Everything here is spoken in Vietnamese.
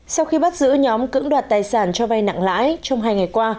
sau khi bắt giữ nhóm cưỡng đoạt tài sản cho vay nặng lãi trong hai ngày qua